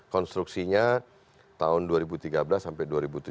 konstruksinya tahun dua ribu tiga belas sampai dua ribu tujuh belas